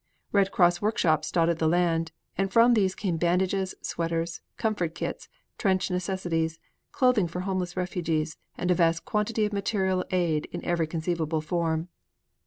Red Cross workshops dotted the land, and from these came bandages, sweaters, comfort kits, trench necessities, clothing for homeless refugees, and a vast quantity of material aid in every conceivable form.